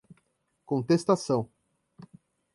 contestação